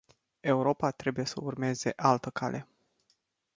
Europa trebuie să urmeze altă cale.